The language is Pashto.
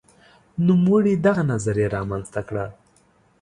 نوموړي دغه نظریه رامنځته کړه.